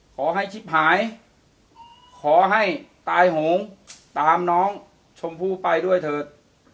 ขอให้ชิปหายขอให้ตายโหงตามน้องชมพู่ไปด้วยเถอะ